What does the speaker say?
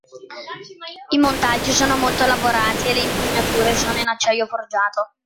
I montaggi sono molto lavorati e le impugnature sono in acciaio forgiato.